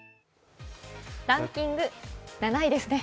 ランキング７位ですね。